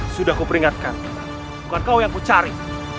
sudah kuperingatkan bukan kau yang kucari